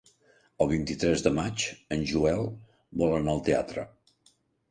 El vint-i-tres de maig en Joel vol anar al teatre.